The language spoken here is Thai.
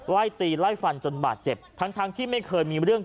ไล่ตีไล่ฟันจนบาดเจ็บทั้งที่ไม่เคยมีเรื่อง